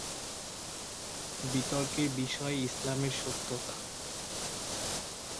বিতর্কের বিষয় ইসলামের সত্যতা।